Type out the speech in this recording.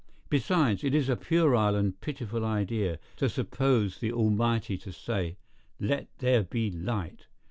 Besides, it is a puerile and pitiful idea, to suppose the Almighty to say, "Let there be light."